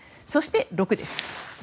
そして、６です。